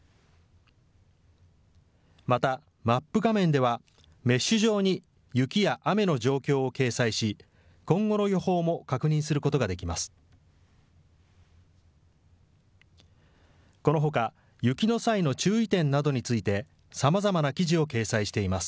また、マップ画面では、メッシュ状に雪や雨の状況を掲載し、今後の予報も確認することができます。